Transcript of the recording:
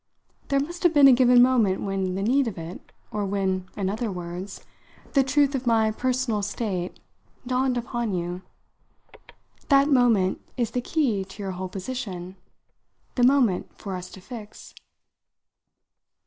There must have been a given moment when the need of it or when, in other words, the truth of my personal state dawned upon you. That moment is the key to your whole position the moment for us to fix."